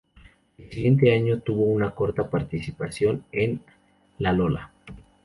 El siguiente año tuvo una corta participación en "Lalola".